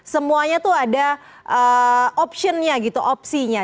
semuanya itu ada opsinya